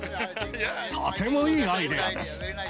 とてもいいアイデアです。